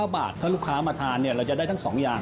บาทถ้าลูกค้ามาทานเราจะได้ทั้ง๒อย่าง